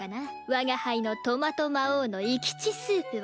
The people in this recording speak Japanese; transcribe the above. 我が輩のトマト魔王の生き血スープは。